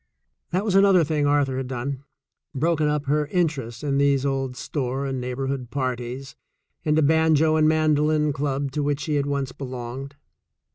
That was another thing Arthur had done — broken up her interest in these old store and neighborhood par ties and a banjo and mandolin club to which she had once belonged.